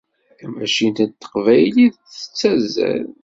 Tamacint n teqbaylit ad tettazzal.